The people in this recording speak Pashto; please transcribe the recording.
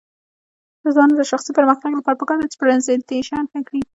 د ځوانانو د شخصي پرمختګ لپاره پکار ده چې پریزنټیشن ښه کړي.